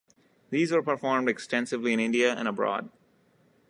These were performed extensively in India and abroad.